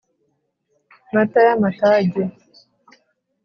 Mata y’amatage.